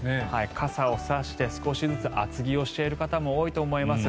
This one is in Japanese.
傘を差して少しずつ厚着をしている方も多いと思います。